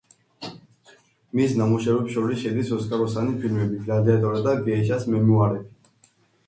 მის ნამუშევრებს შორის შედის ოსკაროსანი ფილმები „გლადიატორი“ და „გეიშას მემუარები“.